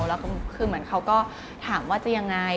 แล้วก็คือเหมือนเขาก็ถามว่าจะยังไง